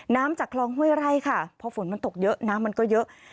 จากคลองห้วยไร่ค่ะพอฝนมันตกเยอะน้ำมันก็เยอะ